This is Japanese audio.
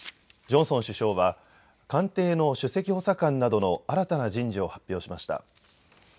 ジョンソン首相は官邸の首席補佐官などの新たな人事を発表しました。